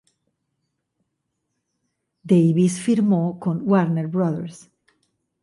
Davis firmó con Warner Bros.